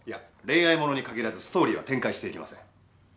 恋愛物に限らずストーリーは展開していきません。